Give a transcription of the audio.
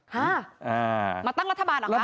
ห้ามาตั้งรัฐบาลเหรอครับ